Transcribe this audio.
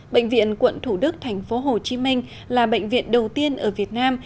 bệnh viện quận thủ đức thành phố hồ chí minh là bệnh viện đầu tiên ở việt nam